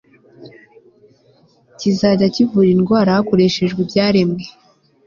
kizajya kivura indwara hakoreshejwe ibyaremwe